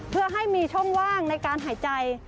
เพื่อให้มีช่องว่างในการหายใจ